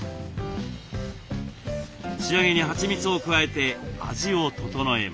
仕上げにはちみつを加えて味を調えます。